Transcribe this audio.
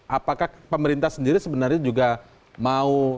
apakah pemerintah sendiri sebenarnya juga mau